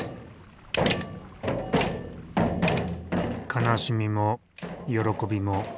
悲しみも喜びも。